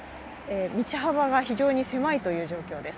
道幅が非常に狭いという状況です。